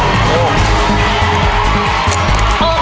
ออกเลยด้วยเออเร็ว